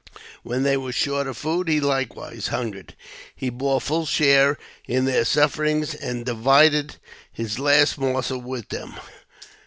When they were short of food, he likewise hungered; he bore full share in their sufferings, and divided his last morsel with them.